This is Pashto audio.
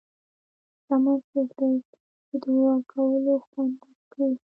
شتمن څوک دی چې د ورکولو خوند درک کړي.